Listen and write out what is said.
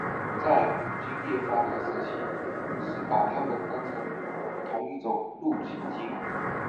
在捕鲸业发达的时期是把它们当成同一种露脊鲸。